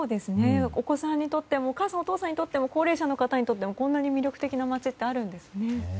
お子さんにとってもお母さんお父さんにとっても高齢者にとってもこんなに魅力的な町ってあるんですね。